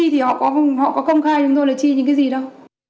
thì họ có công khai chúng tôi là chi những cái gì đâu